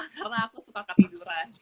karena aku suka ke tiduran